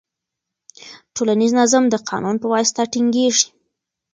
ټولنیز نظم د قانون په واسطه ټینګیږي.